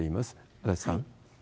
足立さん。